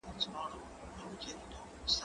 زه مخکې درس لوستی و!.